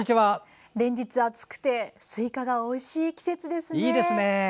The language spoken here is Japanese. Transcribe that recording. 連日暑くてスイカがおいしい季節ですね。